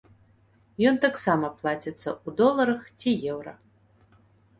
Ён таксама плаціцца ў доларах ці еўра.